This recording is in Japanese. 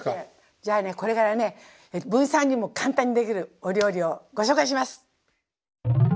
じゃあねこれからね文枝さんにも簡単にできるお料理をご紹介します！